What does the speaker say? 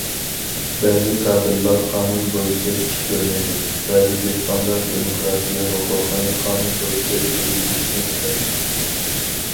بەزى كادىرلار قانۇن بويىچە ئىش كۆرمەيدۇ، بەزى دېھقانلار دېموكراتىيە ھوقۇقىنى قانۇن بويىچە يۈرگۈزۈشنى بىلمەيدۇ.